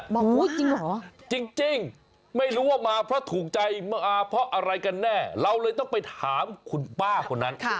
จริงเหรอจริงไม่รู้ว่ามาเพราะถูกใจมาเพราะอะไรกันแน่เราเลยต้องไปถามคุณป้าคนนั้น